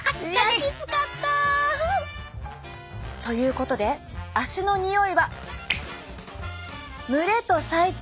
きつかった。ということで足のにおいは蒸れと細菌。